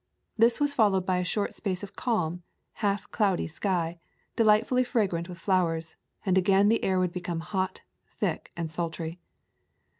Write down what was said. This was followed by a short space of calm, half cloudy sky, delightfully fragrant with flowers, and again the air would become hot, thick, and sultry.